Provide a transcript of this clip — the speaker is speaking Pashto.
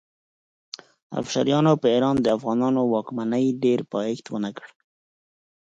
افشاریانو پر ایران د افغانانو واکمنۍ ډېر پایښت ونه کړ.